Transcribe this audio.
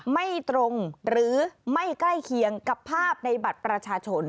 ไม่ตรงหรือไม่ใกล้เคียงกับภาพในบัตรประชาชน